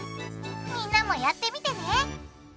みんなもやってみてね！